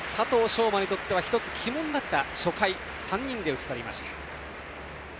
奨真にとっては１つ鬼門だった初回３人で打ち取りました。